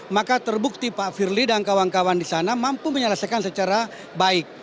maka terbukti pak firly dan kawan kawan di sana mampu menyelesaikan secara baik